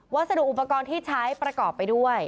สรุปอุปกรณ์ที่ใช้ประกอบไปด้วย